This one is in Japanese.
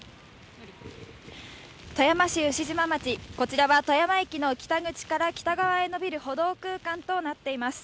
富山市牛島町、こちらは富山駅の北口から北側へ延びる歩道空間となっています。